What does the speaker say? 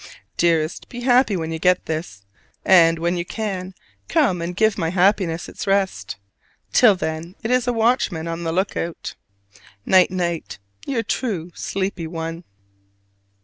Dearest, be happy when you get this: and, when you can, come and give my happiness its rest. Till then it is a watchman on the lookout. "Night night!" Your true sleepy one.